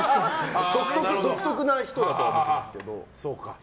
独特な人だと思うんですけど。